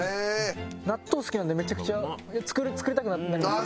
納豆好きなんでめちゃくちゃ作りたくなりました。